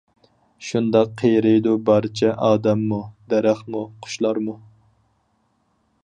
شۇنداق قېرىيدۇ بارچە : ئادەممۇ، دەرەخمۇ قۇشلارمۇ.